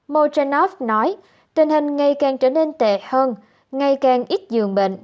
mochinop nói tình hình ngày càng trở nên tệ hơn ngày càng ít dường bệnh